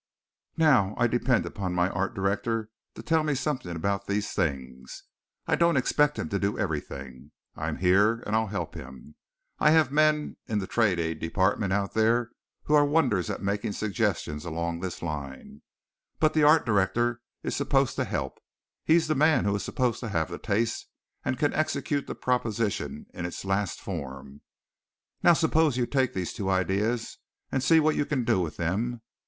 Now I depend upon my art director to tell me something about these things. I don't expect him to do everything. I'm here and I'll help him. I have men in the trade aid department out there who are wonders at making suggestions along this line, but the art director is supposed to help. He's the man who is supposed to have the taste and can execute the proposition in its last form. Now suppose you take these two ideas and see what you can do with them.